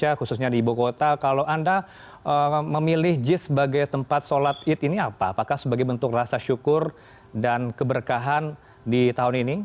apa yang anda ingin berkata tentang keuntungan dan keberkahan di tahun ini